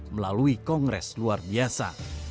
melalui kongres luar biasa